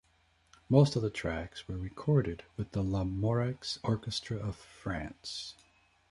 Most of the tracks were recorded with the Lamoureux Orchestra of France.